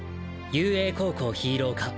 雄英高校ヒーロー科